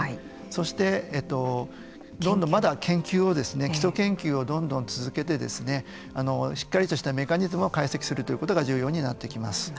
そして、まだ研究を基礎研究をどんどん続けてしっかりとしたメカニズムを解析するということが重要になっています。